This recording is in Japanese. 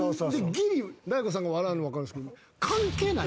ギリ大悟さんが笑うのは分かるんですけど。